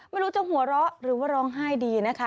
ไม่รู้จะหัวเราะหรือว่าร้องไห้ดีนะคะ